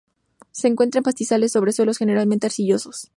Se encuentra en pastizales sobre suelos generalmente arcillosos.